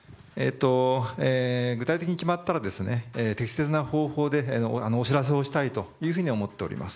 具体的に決まったら適切な方法でお知らせをしたいと思っております。